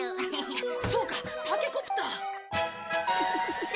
そうかタケコプター！